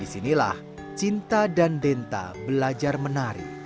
disinilah cinta dan denta belajar menari